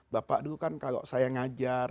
bapak dulu kan kalau saya ngajar